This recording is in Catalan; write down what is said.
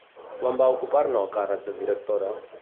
Quan va ocupar-ne el càrrec de directora?